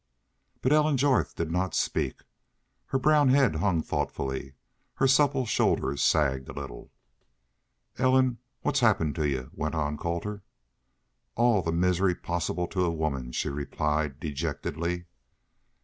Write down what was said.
But Ellen Jorth did not speak. Her brown head hung thoughtfully. Her supple shoulders sagged a little. "Ellen, what's happened to y'u?" went on Colter. "All the misery possible to a woman," she replied, dejectedly.